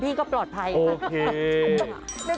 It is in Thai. ทุกข้าทุกข้าทุกข้า